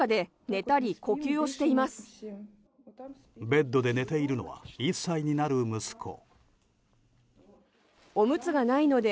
ベッドで寝ているのは１歳になる息子。